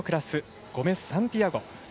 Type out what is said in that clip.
ゴメスサンティアゴ